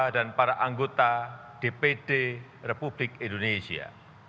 dan para anggota dpd republik indonesia